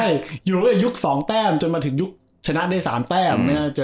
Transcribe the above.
ใช่อยู่ด้วยยุค๒แต้มจนมาถึงยุคชนะได้๓แต้ม